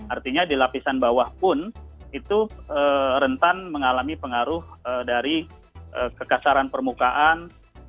artinya di lapisan bawah pun itu rentan mengalami pengaruh dari kekasaran permukaan